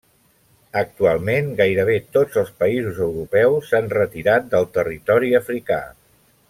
Actualment, gairebé tots els països europeus s'han retirat del territori africà.